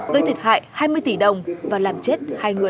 gây thiệt hại hai mươi tỷ đồng và làm chết hai người